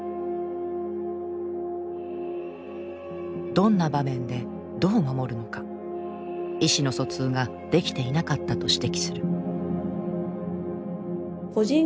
どんな場面でどう守るのか意思の疎通ができていなかったと指摘する。